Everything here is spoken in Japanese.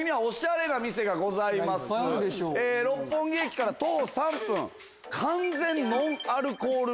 六本木駅から徒歩３分。